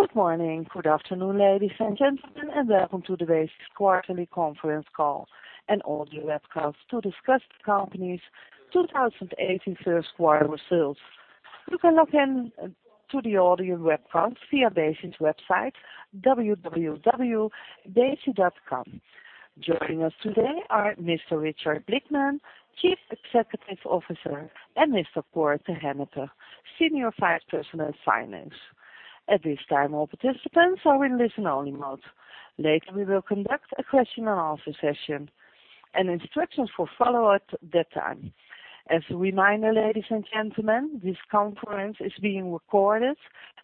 Good morning, good afternoon, ladies and gentlemen, welcome to today's quarterly conference call and audio webcast to discuss the company's 2018 first quarter results. You can log in to the audio webcast via Besi's website, www.besi.com. Joining us today are Mr. Richard Blickman, Chief Executive Officer, and Mr. Cor te Hennepe, Senior Vice President of Finance. At this time, all participants are in listen-only mode. Later, we will conduct a question and answer session and instructions will follow at that time. As a reminder, ladies and gentlemen, this conference is being recorded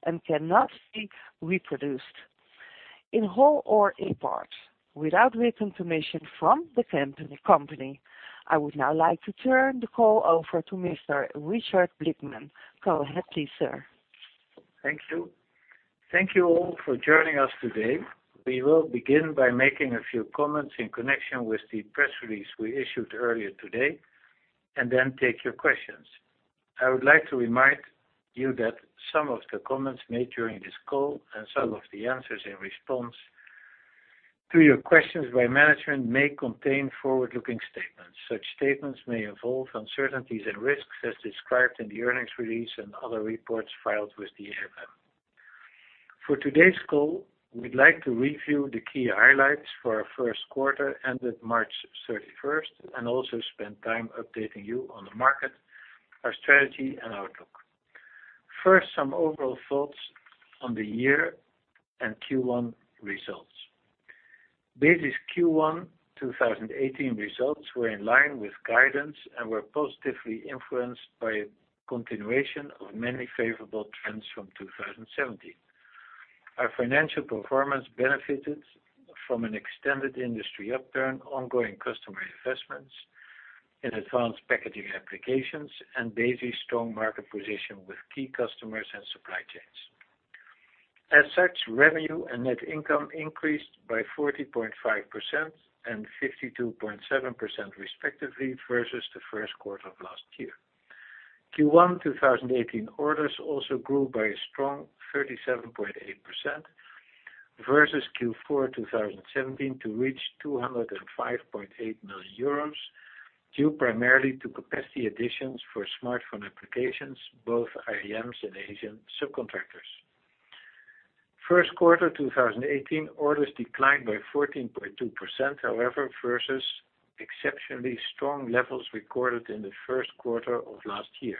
and cannot be reproduced in whole or in part without written permission from the company. I would now like to turn the call over to Mr. Richard Blickman. Go ahead, please, sir. Thank you. Thank you all for joining us today. We will begin by making a few comments in connection with the press release we issued earlier today, then take your questions. I would like to remind you that some of the comments made during this call and some of the answers in response to your questions by management may contain forward-looking statements. Such statements may involve uncertainties and risks as described in the earnings release and other reports filed with the AFM. For today's call, we'd like to review the key highlights for our first quarter ended March 31st, also spend time updating you on the market, our strategy, and outlook. First, some overall thoughts on the year and Q1 results. Besi's Q1 2018 results were in line with guidance and were positively influenced by a continuation of many favorable trends from 2017. Our financial performance benefited from an extended industry upturn, ongoing customer investments in advanced packaging applications, and Besi's strong market position with key customers and supply chains. As such, revenue and net income increased by 40.5% and 52.7% respectively versus the first quarter of last year. Q1 2018 orders also grew by a strong 37.8% versus Q4 2017 to reach 205.8 million euros due primarily to capacity additions for smartphone applications, both IDMs and Asian subcontractors. First quarter 2018 orders declined by 14.2%, however, versus exceptionally strong levels recorded in the first quarter of last year.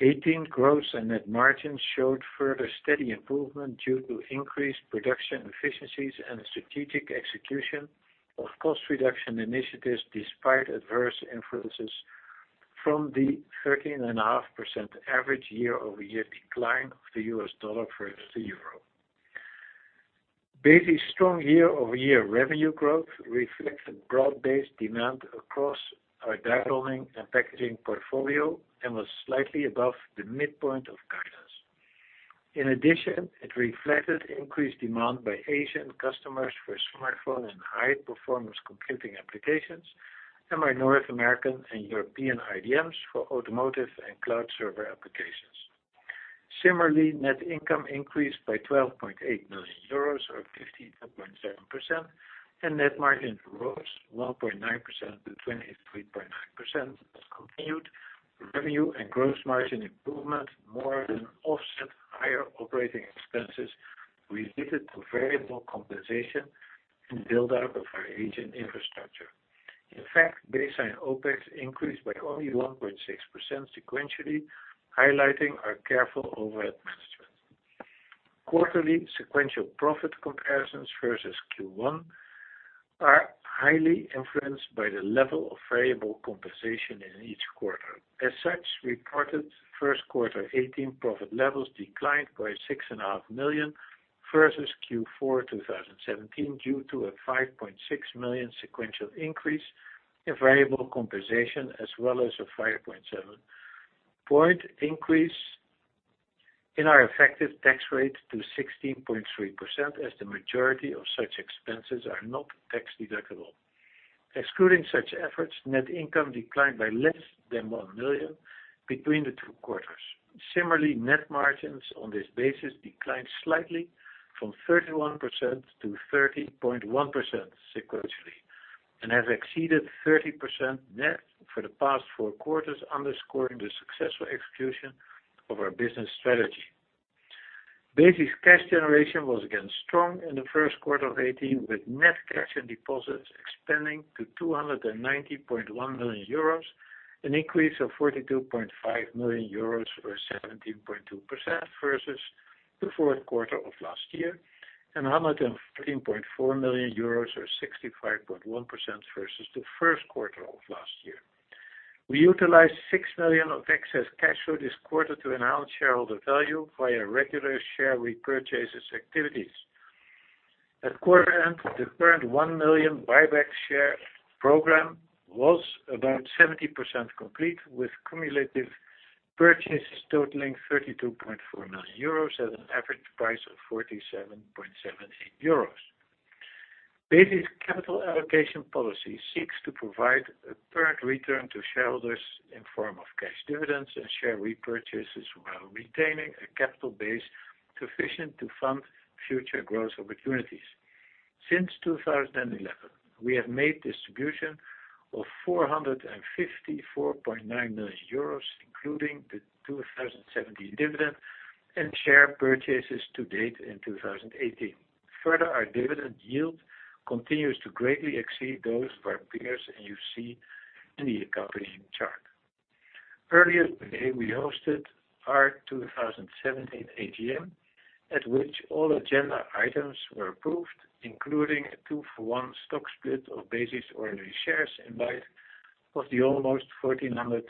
In addition, Q1 '18 growth and net margins showed further steady improvement due to increased production efficiencies and strategic execution of cost reduction initiatives despite adverse influences from the 13.5% average year-over-year decline of the US dollar versus the euro. Besi's strong year-over-year revenue growth reflects a broad-based demand across our die attach and packaging portfolio and was slightly above the midpoint of guidance. In addition, it reflected increased demand by Asian customers for smartphone and high-performance computing applications and by North American and European IDMs for automotive and cloud server applications. Similarly, net income increased by 12.8 million euros or 52.7%, and net margins rose 1.9% to 23.9%. Continued revenue and gross margin improvement more than offset higher operating expenses related to variable compensation and build-out of our Asian infrastructure. In fact, baseline OPEX increased by only 1.6% sequentially, highlighting our careful overhead management. Quarterly sequential profit comparisons versus Q1 are highly influenced by the level of variable compensation in each quarter. As such, reported first quarter 2018 profit levels declined by 6.5 million versus Q4 2017 due to a 5.6 million sequential increase in variable compensation as well as a 5.7 point increase in our effective tax rate to 16.3% as the majority of such expenses are not tax-deductible. Excluding such efforts, net income declined by less than 1 million between the two quarters. Similarly, net margins on this basis declined slightly from 31% to 30.1% sequentially and have exceeded 30% net for the past four quarters, underscoring the successful execution of our business strategy. Besi's cash generation was again strong in the first quarter of 2018, with net cash and deposits expanding to 290.1 million euros, an increase of 42.5 million euros, or 17.2%, versus the fourth quarter of last year, and 113.4 million euros, or 65.1%, versus the first quarter of last year. We utilized 6 million of excess cash flow this quarter to enhance shareholder value via regular share repurchases activities. At quarter end, the current 1 million buyback share program was about 70% complete, with cumulative purchases totaling 32.4 million euros at an average price of 47.78 euros. Besi's capital allocation policy seeks to provide a fair return to shareholders in form of cash dividends and share repurchases while retaining a capital base sufficient to fund future growth opportunities. Since 2011, we have made distribution of 454.9 million euros, including the 2017 dividend and share purchases to date in 2018. Further, our dividend yield continues to greatly exceed those of our peers, and you see in the accompanying chart. Earlier today, we hosted our 2017 AGM, at which all agenda items were approved, including a two-for-one stock split of Besi's ordinary shares in light of the almost 1,400%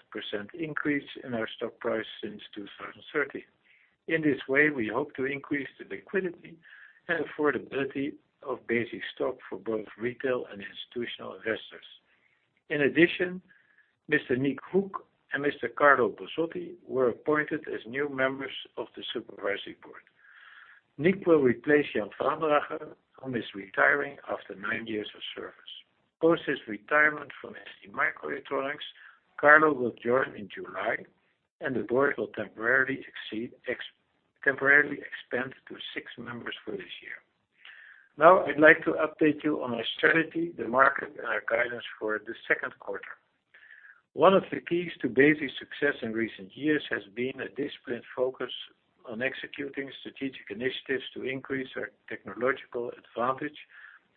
increase in our stock price since 2013. In this way, we hope to increase the liquidity and affordability of Besi stock for both retail and institutional investors. In addition, Mr. Niek Hoek and Mr. Carlo Bozotti were appointed as new members of the Supervisory Board. Niek will replace Jan Vaandrager, who is retiring after nine years of service. Post his retirement from STMicroelectronics, Carlo will join in July, and the board will temporarily expand to six members for this year. Now, I'd like to update you on our strategy, the market, and our guidance for the second quarter. One of the keys to Besi's success in recent years has been a disciplined focus on executing strategic initiatives to increase our technological advantage,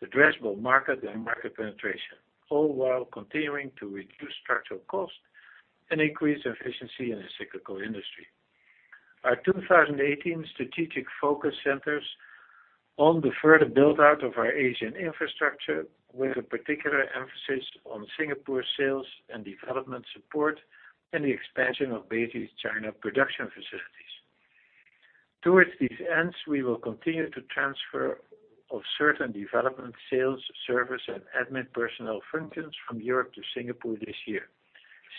addressable market, and market penetration, all while continuing to reduce structural cost and increase efficiency in a cyclical industry. Our 2018 strategic focus centers on the further build-out of our Asian infrastructure, with a particular emphasis on Singapore sales and development support and the expansion of Besi's China production facilities. Towards these ends, we will continue to transfer of certain development, sales, service, and admin personnel functions from Europe to Singapore this year.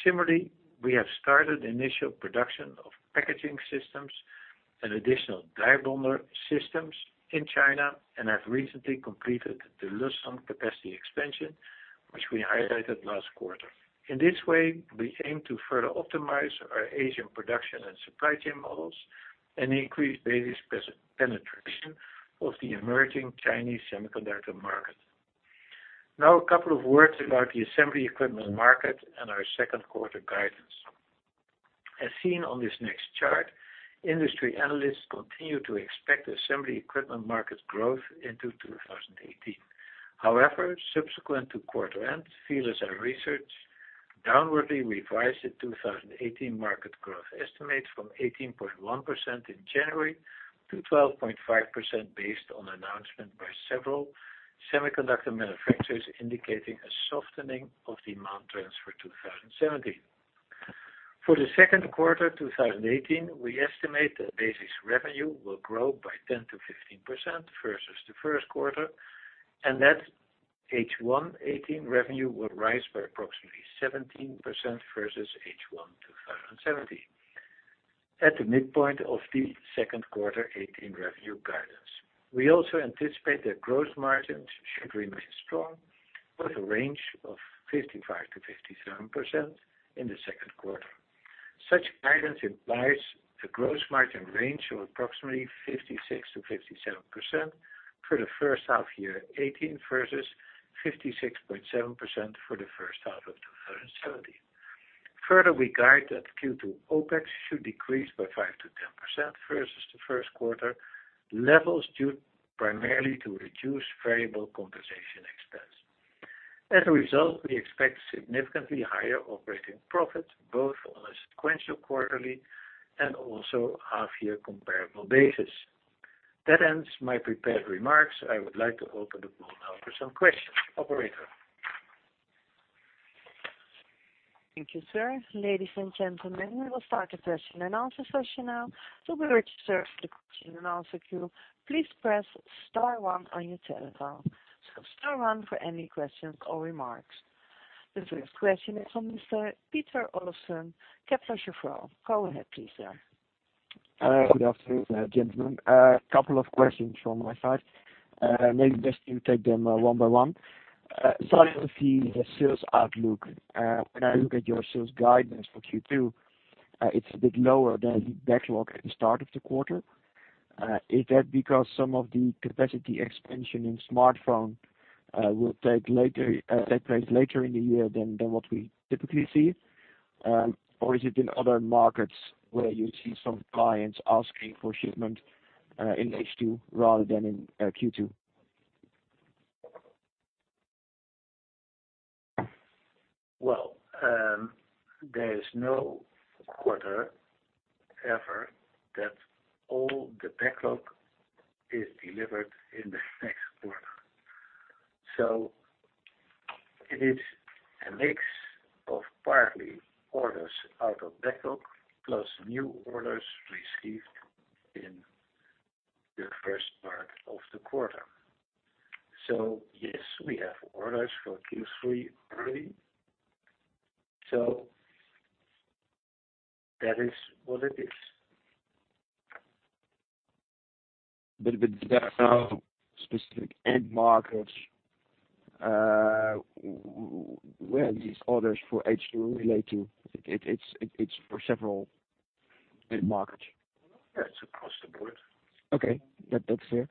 Similarly, we have started initial production of packaging systems and additional die bonder systems in China and have recently completed the Luxium capacity expansion, which we highlighted last quarter. In this way, we aim to further optimize our Asian production and supply chain models and increase Besi's penetration of the emerging Chinese semiconductor market. A couple of words about the assembly equipment market and our second quarter guidance. As seen on this next chart, industry analysts continue to expect assembly equipment market growth into 2018. However, subsequent to quarter end, VLSI Research downwardly revised the 2018 market growth estimate from 18.1% in January to 12.5% based on announcement by several semiconductor manufacturers indicating a softening of demand for 2017. For the second quarter 2018, we estimate that Besi's revenue will grow by 10%-15% versus the first quarter, and that H1-2018 revenue will rise by approximately 17% versus H1-2017, at the midpoint of the second quarter 2018 revenue guidance. We also anticipate that gross margins should remain strong with a range of 55%-57% in the second quarter. Such guidance implies a gross margin range of approximately 56%-57% for the first half year 2018 versus 56.7% for the first half of 2017. Further, we guide that Q2 OPEX should decrease by 5%-10% versus the first quarter levels, due primarily to reduced variable compensation expense. As a result, we expect significantly higher operating profit, both on a sequential quarterly and also half-year comparable basis. That ends my prepared remarks. I would like to open the floor now for some questions. Operator? Thank you, sir. Ladies and gentlemen, we will start the question and answer session now. To be registered for the question and answer queue, please press star one on your telephone. Star one for any questions or remarks. The first question is from Mr. Peter Olofsen, Kepler Cheuvreux. Go ahead, please, sir. Good afternoon, gentlemen. A couple of questions from my side. Maybe best you take them one by one. Starting with the sales outlook. When I look at your sales guidance for Q2, it's a bit lower than the backlog at the start of the quarter. Is that because some of the capacity expansion in smartphone will take place later in the year than what we typically see? Is it in other markets where you see some clients asking for shipment in H2 rather than in Q2? Well, there is no quarter ever that all the backlog is delivered in the next quarter. It is a mix of partly orders out of backlog plus new orders received in the first part of the quarter. Yes, we have orders for Q3 early. That is what it is. There are no specific end markets. Where are these orders for H2 relating? It's for several end markets. Yes, across the board. Okay. That's fair.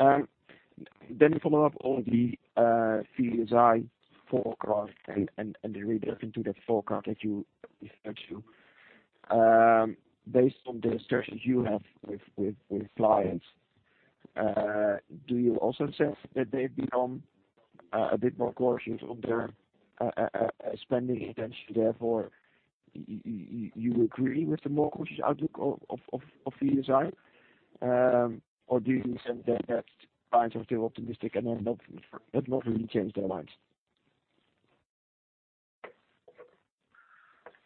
To follow up on the VLSI forecast and the read-back into that forecast that you referred to based on the discussions you have with clients, do you also sense that they've become a bit more cautious on their spending intention, therefore, you agree with the more cautious outlook of VLSI? Or do you sense that clients are still optimistic and have not really changed their minds?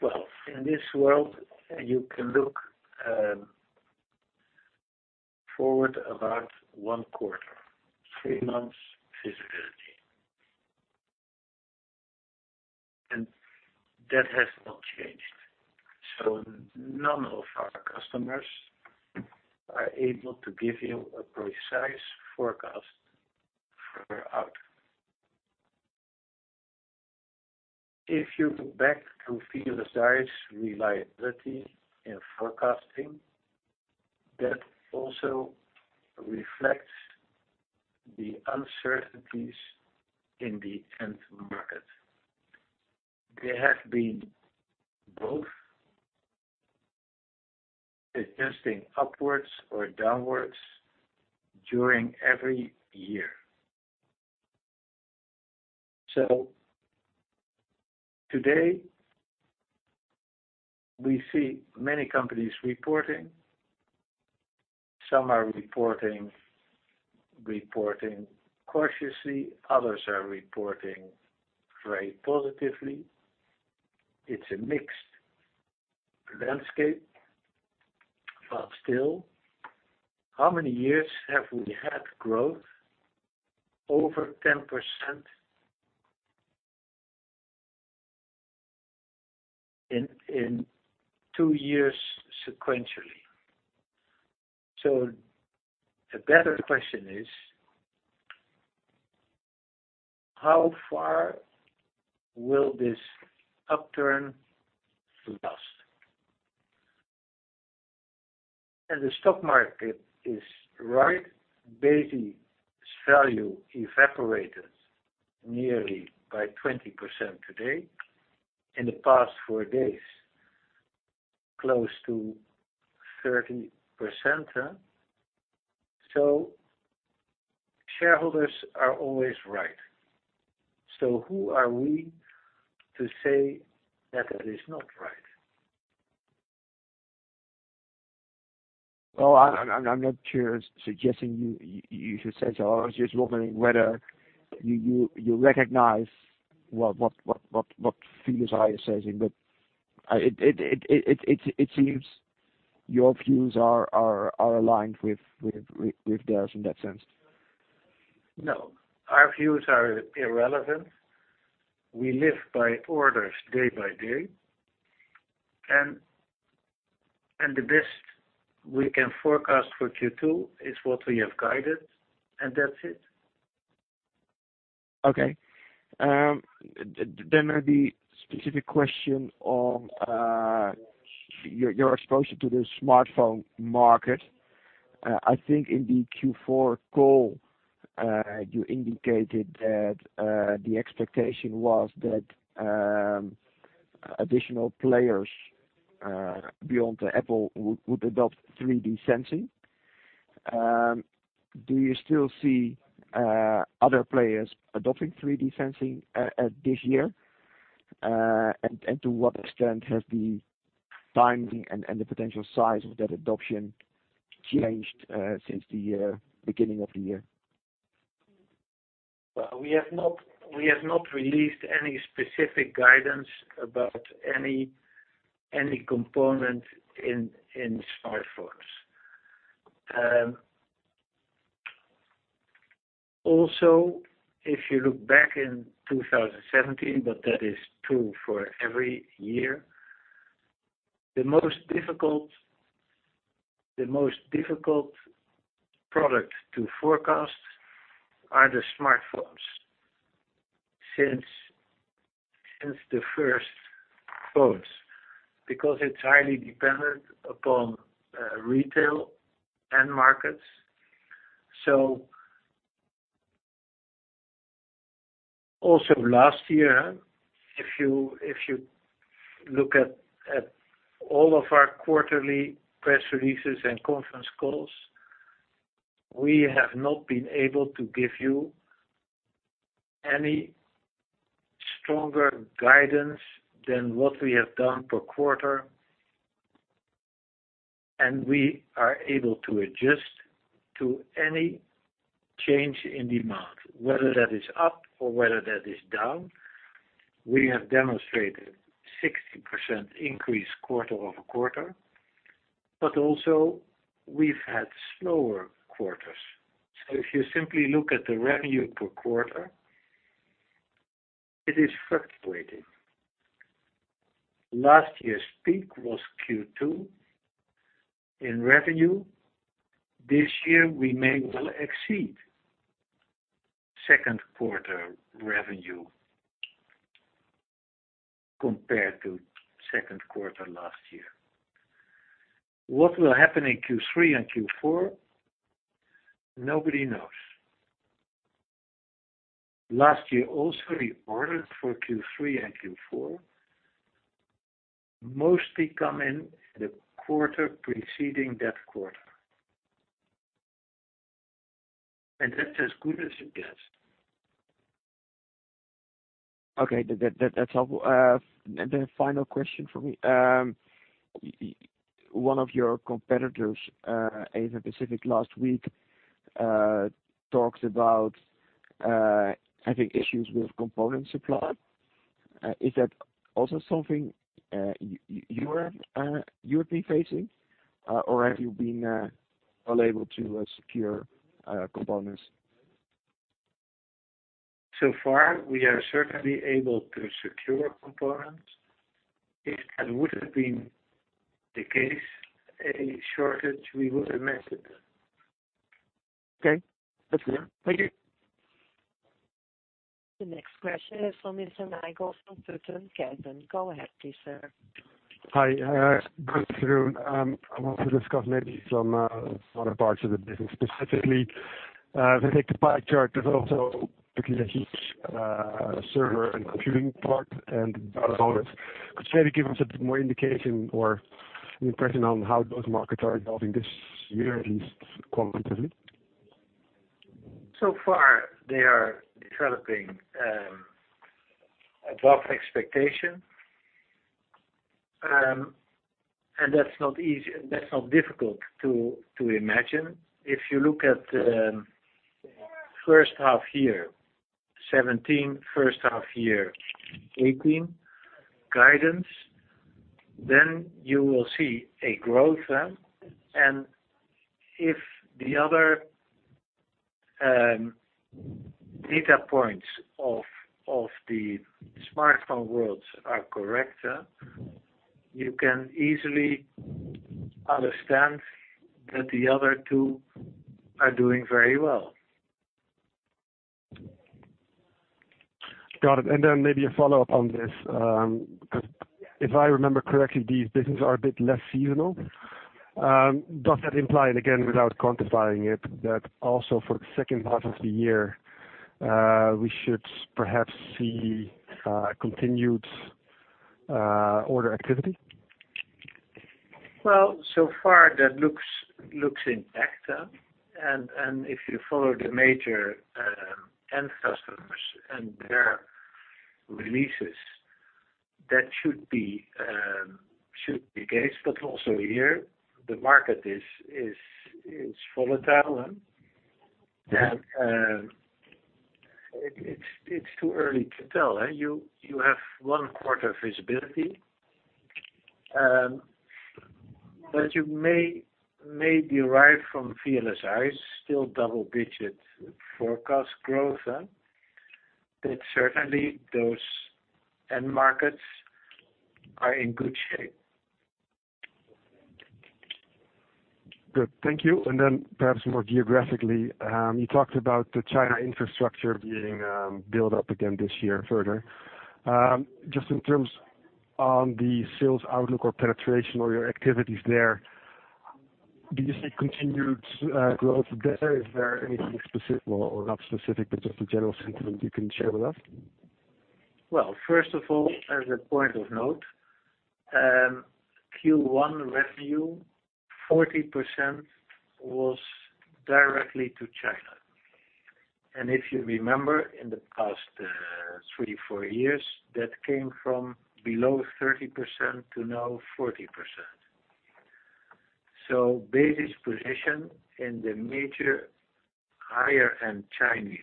Well, in this world, you can look forward about one quarter, three months visibility, and that has not changed. None of our customers are able to give you a precise forecast further out. If you look back to VLSI's reliability in forecasting, that also reflects the uncertainties in the end market. There have been both adjusting upwards or downwards during every year. Today, we see many companies reporting. Some are reporting cautiously, others are reporting very positively. It's a mixed landscape. But still, how many years have we had growth over 10% in two years sequentially? The better question is, how far will this upturn last? The stock market is right. Besi's value evaporated nearly by 20% today. In the past four days, close to 30%. Shareholders are always right. Who are we to say that it is not right? Well, I'm not suggesting you should say so. I was just wondering whether you recognize what VLSI is saying, but it seems your views are aligned with theirs in that sense. No, our views are irrelevant. We live by orders day by day. The best we can forecast for Q2 is what we have guided, and that's it. Okay. Maybe specific question on your exposure to the smartphone market. I think in the Q4 call, you indicated that the expectation was that additional players beyond Apple would adopt 3D sensing. Do you still see other players adopting 3D sensing this year? To what extent has the timing and the potential size of that adoption changed since the beginning of the year? Well, we have not released any specific guidance about any component in smartphones. If you look back in 2017, but that is true for every year, the most difficult product to forecast are the smartphones since the first phones, because it is highly dependent upon retail end markets. Last year, if you look at all of our quarterly press releases and conference calls, we have not been able to give you any stronger guidance than what we have done per quarter, and we are able to adjust to any change in demand, whether that is up or whether that is down. We have demonstrated 60% increase quarter-over-quarter, but also we have had slower quarters. If you simply look at the revenue per quarter. It is fluctuating. Last year's peak was Q2 in revenue. This year, we may well exceed second quarter revenue compared to second quarter last year. What will happen in Q3 and Q4, nobody knows. Last year also, the orders for Q3 and Q4 mostly come in the quarter preceding that quarter. That is as good as it gets. Okay. That is helpful. A final question from me. One of your competitors, ASM Pacific Technology, last week, talked about having issues with component supply. Is that also something you have been facing, or have you been able to secure components? So far, we are certainly able to secure components. If that would have been the case, any shortage, we would have mentioned. Okay. That's clear. Thank you. The next question is from Mr. Michael from Van Lanschot Kempen. Go ahead, please, sir. Hi. Good afternoon. I want to discuss maybe some other parts of the business, specifically, if I take the pie chart, there's also a huge server and computing part, and about others. Could you maybe give us a bit more indication or an impression on how those markets are evolving this year, at least qualitatively? So far, they are developing above expectation. That's not difficult to imagine. If you look at first half year 2017, first half year 2018 guidance, you will see a growth. If the other data points of the smartphone worlds are correct, you can easily understand that the other two are doing very well. Got it. Maybe a follow-up on this, because if I remember correctly, these businesses are a bit less seasonal. Does that imply, and again, without quantifying it, that also for the second half of the year, we should perhaps see continued order activity? Well, so far that looks intact. If you follow the major end customers and their releases, that should be the case. Also here, the market is volatile. Yeah. It's too early to tell. You have one quarter visibility. You may derive from VLSI, still double-digit forecast growth, that certainly those end markets are in good shape. Good. Thank you. Perhaps more geographically, you talked about the China infrastructure being built up again this year further. Just in terms on the sales outlook or penetration or your activities there, do you see continued growth there? Is there anything specific or not specific, but just a general sentiment you can share with us? Well, first of all, as a point of note, Q1 revenue, 40% was directly to China. If you remember, in the past three, four years, that came from below 30% to now 40%. Besi's position in the major higher-end Chinese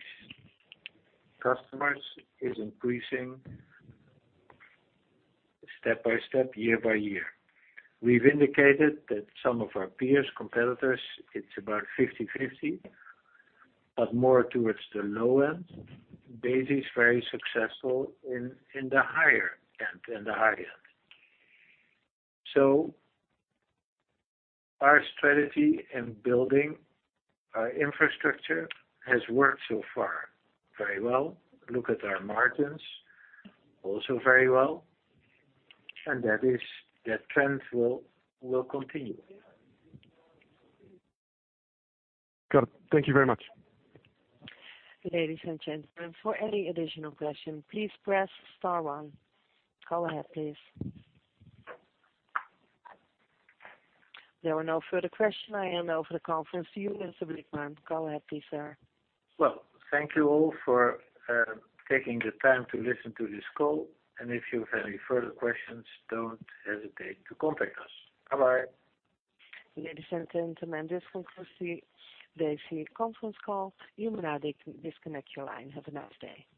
customers is increasing step-by-step, year-by-year. We've indicated that some of our peers, competitors, it's about 50/50, but more towards the low end. Besi is very successful in the higher end. Our strategy in building our infrastructure has worked so far very well. Look at our margins, also very well. That trend will continue. Got it. Thank you very much. Ladies and gentlemen, for any additional question, please press star 1. Go ahead, please. There were no further question. I hand over the conference to you, Mr. Blickman. Go ahead, please, sir. Well, thank you all for taking the time to listen to this call. If you have any further questions, don't hesitate to contact us. Bye-bye. Ladies and gentlemen, this concludes the Besi conference call. You may now disconnect your line. Have a nice day.